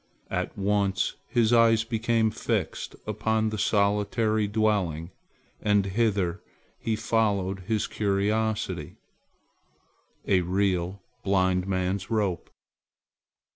At once his eyes became fixed upon the solitary dwelling and hither he followed his curiosity, a real blind man's rope.